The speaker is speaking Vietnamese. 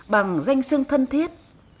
bằng danh sưng thân thiết